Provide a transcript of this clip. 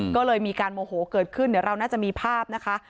ก็เลยมีการโมโหเกิดขึ้นเดี๋ยวเราน่าจะมีภาพนะคะ